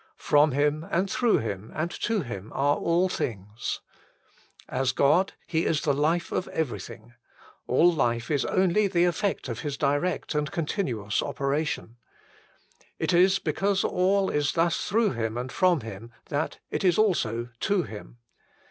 From Him and through Him and to Him are all things. As God He 168 THE FULL BLESSING OF PENTECOST is the life of everything : all life is only the effect of His direct and continuous operation. It is because all is thus through Him and from Him that it is also to Him.